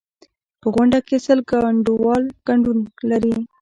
په غونډه کې سل ګډونوال ګډون لري.